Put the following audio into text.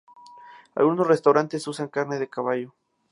Algunos restaurantes usan carne de caballo.